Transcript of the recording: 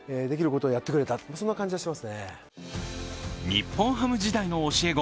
日本ハム時代の教え子